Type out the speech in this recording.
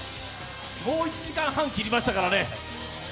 もう１時間半切りましたからね。